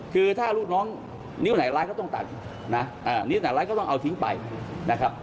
คือถ้าลูกน้องนิ้วไหนร้ายก็ต้องตัดนะนิ้วตัดร้ายก็ต้องเอาทิ้งไปนะครับ